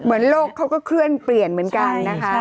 โลกเขาก็เคลื่อนเปลี่ยนเหมือนกันนะคะ